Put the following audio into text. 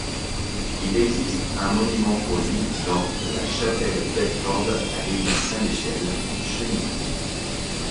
Il existe un monument pour lui dans la Chapelle Bedford à l'Église Saint-michel, Chenies.